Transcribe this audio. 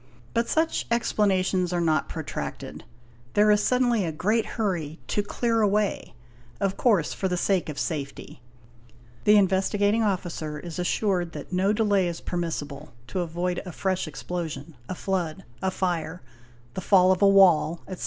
But such explanations are not protracted; there is suddenly a great hurry "to clear away', of course for the sake of safety; the Investigating Officer is assured that no delay is permissible, to avoid a fresh explosion, a flood, a fire, the fall of a wall, etc.